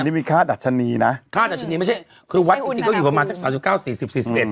นี่มีค่าดัชนีนะค่าดัชนีไม่ใช่คือวัดจริงจริงก็อยู่ประมาณสักสามจุดเก้าสี่สิบสี่สิบเอ็ด